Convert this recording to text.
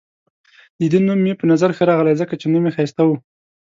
د ده نوم مې په نظر ښه راغلی، ځکه چې نوم يې ښایسته وو.